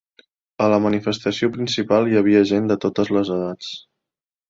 A la manifestació principal hi havia gent de totes les edats.